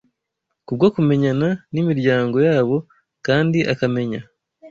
Kubwo kumenyana n’imiryango yabo kandi akamenya